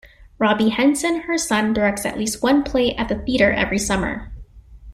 Robby Henson, her son, directs at least one play at the theater every summer.